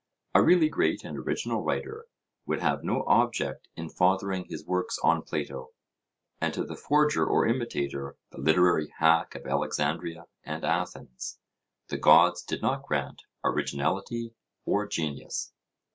A really great and original writer would have no object in fathering his works on Plato; and to the forger or imitator, the 'literary hack' of Alexandria and Athens, the Gods did not grant originality or genius.